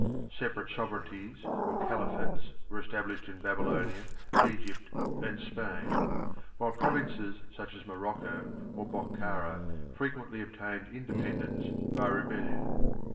Separate sovereignties or caliphates were established in Babylonia, Egypt, and Spain, while provinces such as Morocco or Bokhara frequently obtained independence by rebellion.